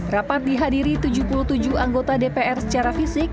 rapat dihadiri tujuh puluh tujuh anggota dpr secara fisik